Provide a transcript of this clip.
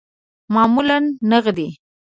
معمولاً نغدی